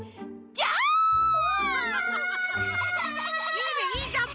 いいねいいジャンプ！